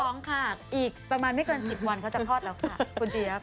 เขาต้องท้องค่ะอีกประมาณไม่กว่า๑๐วันเขาจะพอดแล้วค่ะคุณเจี๊ยบ